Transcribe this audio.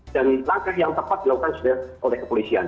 dan langkah yang tepat dilakukan sudah oleh kepolisian